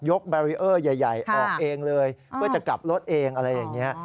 แบรีเออร์ใหญ่ออกเองเลยเพื่อจะกลับรถเองอะไรอย่างนี้